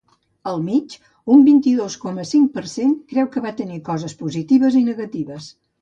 Al mig, un vint-i-dos coma cinc per cent creu que va tenir coses positives i negatives.